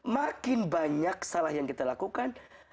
makin banyak salah yang kita lakukan